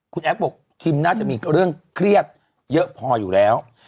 คุณแอฟบอกคิมน่าจะมีเรื่องเครียดเยอะพออยู่แล้ว